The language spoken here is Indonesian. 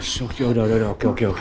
sudah udah udah oke oke oke